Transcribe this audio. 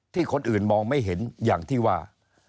ที่คนอื่นมองไม่เห็นอย่างที่ว่า